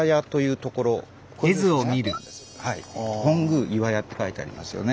本宮岩屋って書いてありますよね。